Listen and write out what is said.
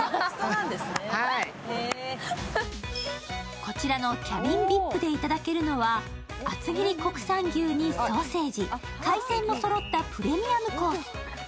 こちらのＣＡＢＩＮＶＩＰで頂けるのは厚切り国産牛にソーセージ海鮮もそろったプレミアムコース。